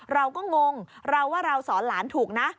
งงเราว่าเราสอนหลานถูกนะ